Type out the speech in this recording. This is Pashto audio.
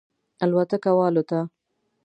الوتکه والوته.